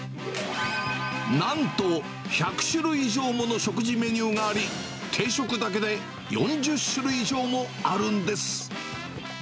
なんと１００種類以上もの食事メニューがあり、定食だけで４０種類以上もあるんです。